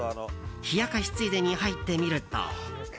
冷やかしついでに入ってみると。